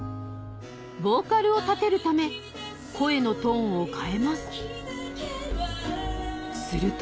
ボーカルを立てるため声のトーンを変えますすると